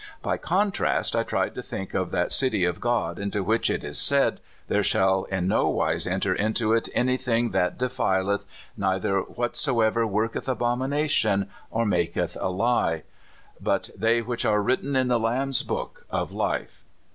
By contrast I tried to think of that city of God into which, it is said, " there shall in no wise enter into it anything that defileth, neither whatsoever worketh abomination, or mak eth a lie: but they which are written in the Lamb's book of life."